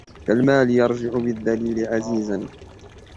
كالمال يرجِع بالذليل عزيزا